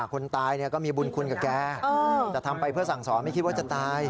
คนตายก็มีบุญคุณกับแกแต่ทำไปเพื่อสั่งสอนไม่คิดว่าจะตาย